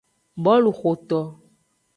Boluxoto.